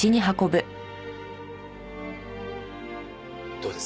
どうです？